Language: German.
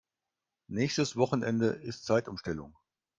Nächstes Wochenende ist Zeitumstellung.